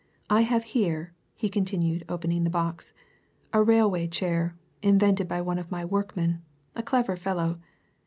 I have here," he continued, opening the box, "a railway chair, invented by one of my workmen, a clever fellow.